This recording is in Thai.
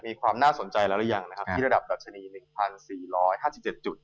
มีความน่าสนใจแล้วหรือยังนะครับที่ระดับดัชนี๑๔๕๗จุด